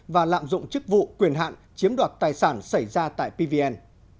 và lạm dụng chức vụ quyền hạn chiếm đoạt tài sản xảy ra tại pvn